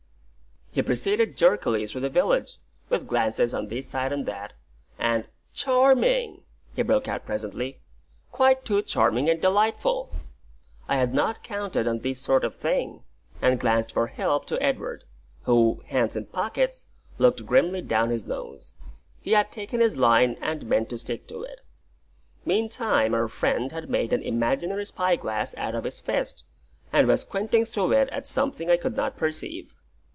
He proceeded jerkily through the village, with glances on this side and that; and "Charming," he broke out presently; "quite too charming and delightful!" I had not counted on this sort of thing, and glanced for help to Edward, who, hands in pockets, looked grimly down his nose. He had taken his line, and meant to stick to it. Meantime our friend had made an imaginary spy glass out of his fist, and was squinting through it at something I could not perceive.